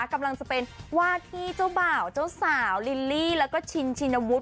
กำลังจะเป็นว่าที่เจ้าบ่าวเจ้าสาวลิลลี่เชิญประมาณนั้น